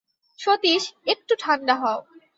সতীশ, একটু ঠাণ্ডা হও।